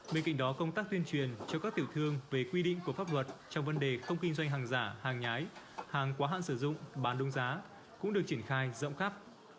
bên cạnh đó công tác tuyên truyền cho các tiểu thương về quy định của pháp luật trong vấn đề không kinh doanh hàng giả hàng nhái hàng quá hạn sử dụng bán đúng giá cũng được triển khai rộng khắp